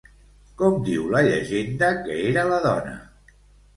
Com diu la llegenda que era la dona?